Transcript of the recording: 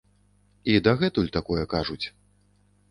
І дагэтуль такое кажуць.